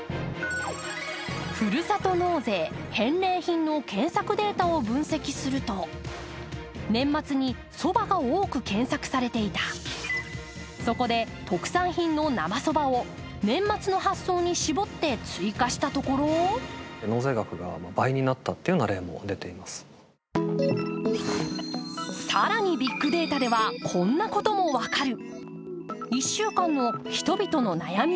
「ふるさと納税返礼品」の検索データを分析すると年末に、そばが多く検索されていたそこで、特産品の生そばを年末の発送に絞って追加したところ更にビッグデータでは、こんなことも分かる。